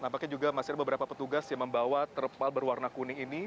nampaknya juga masih ada beberapa petugas yang membawa terpal berwarna kuning ini